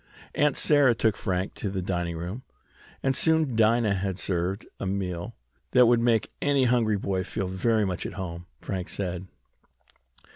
Aunt Sarah took Frank to the dining room, and soon Dinah had served a meal that would make any hungry boy feel very much at home, Frank said.